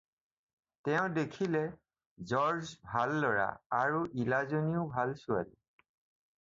তেওঁ দেখিলে জৰ্জ ভাল ল'ৰা আৰু ইলাইজাও ভাল ছোৱালী।